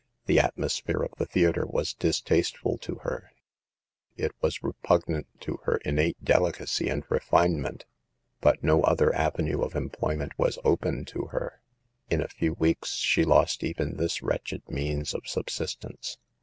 The atmosphere of the theater was distasteful to her; it was repug nant to her innate delicacy and refinement; A PAGE FROM REAL LIFE. 23 but no other avenue of employment was open to her. In a few weeks she lost even this wretched means of subsistence.